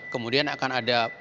kemudian akan ada